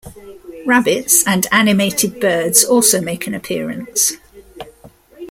Rabbits and animated birds also make an appearance.